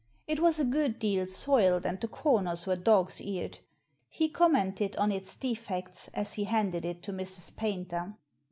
It was a good deal soiled and the comers were dog's eared. He commented on its defects as he handed it to Mrs. Paynter.